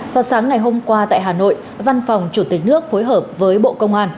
vào sáng ngày hôm qua tại hà nội văn phòng chủ tịch nước phối hợp với bộ công an